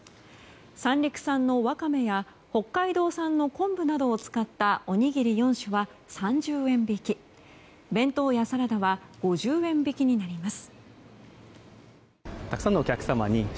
三陸産のワカメや北海道産の昆布などを使ったおにぎり４種は３０円引き弁当やサラダは５０円引きになります。